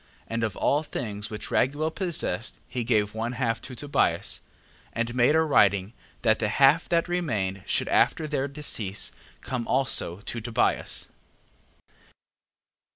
8:24. And of all things which Raguel possessed, he gave one half to Tobias, and made a writing, that the half that remained should after their decease come also to Tobias.